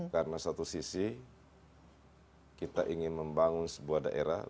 karena satu sisi kita ingin membangun sebuah daerah